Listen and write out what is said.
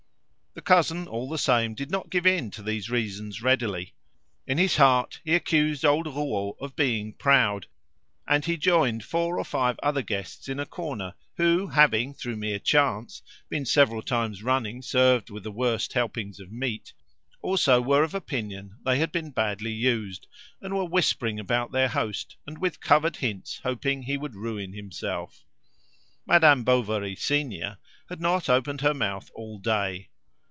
The cousin all the same did not give in to these reasons readily. In his heart he accused old Rouault of being proud, and he joined four or five other guests in a corner, who having, through mere chance, been several times running served with the worst helps of meat, also were of opinion they had been badly used, and were whispering about their host, and with covered hints hoping he would ruin himself. Madame Bovary, senior, had not opened her mouth all day.